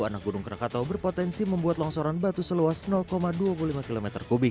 anak gunung krakatau berpotensi membuat longsoran batu seluas dua puluh lima km